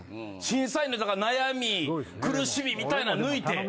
審査員の人が悩み苦しみみたいなん抜いて。